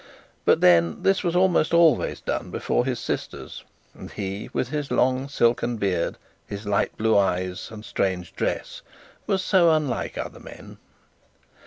But then this was almost always done before his sisters; and he, with his long silken beard, his light blue eyes and strange dress, was so unlike other men.